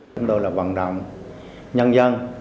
chúng tôi là vận động nhân dân